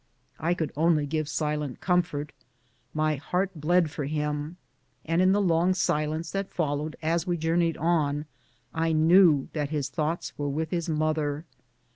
I could only give si lent comfort. My heart bled for him, and in the long silence that followed as we journeyed on, I knew that his thoughts were with his mother.